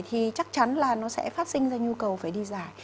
thì chắc chắn là nó sẽ phát sinh ra nhu cầu phải đi dài